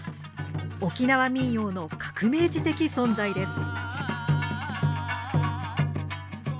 沖縄民謡の革命児的存在です。